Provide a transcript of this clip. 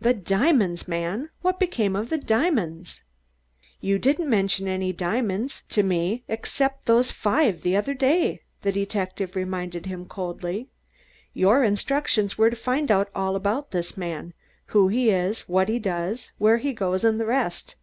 "The diamonds, man what became of the diamonds?" "You didn't mention any diamonds to me except those five the other day," the detective reminded him coldly. "Your instructions were to find out all about this man who he is, what he does, where he goes, and the rest.